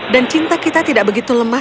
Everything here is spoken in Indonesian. dan cinta kita tidak begitu lemah